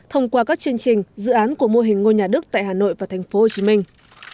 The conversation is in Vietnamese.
thông qua các chương trình dự án của mô hình ngôi nhà đức tại hà nội và thành phố hồ chí minh